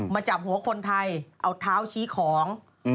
จับหัวคนไทยเอาเท้าชี้ของ